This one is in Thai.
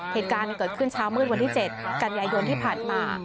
เหตุการณ์เกิดขึ้นเช้ามืดวันที่๗กันยายนที่ผ่านมา